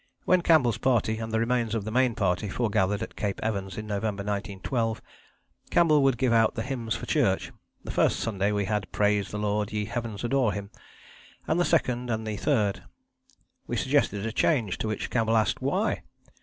When Campbell's Party and the remains of the Main Party forgathered at Cape Evans in November 1912, Campbell would give out the hymns for Church. The first Sunday we had 'Praise the Lord, ye heavens adore Him,' and the second, and the third. We suggested a change, to which Campbell asked, "Why?"